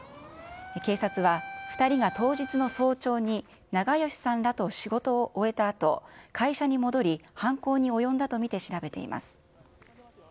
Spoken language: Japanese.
警察は、２人が当日の早朝に、長葭さんらと仕事を終えたあと、会社に戻り、犯行に及んだと見て調べています。